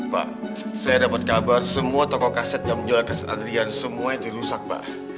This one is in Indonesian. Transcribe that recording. pak saya dapat kabar semua toko kaset yang menjual kaset adrian semuanya dirusak pak